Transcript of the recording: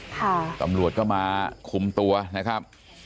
ตำรวจก็มาคุมตัวนะครับ